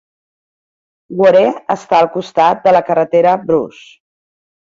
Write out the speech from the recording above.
Woree està al costat de la carretera Bruce.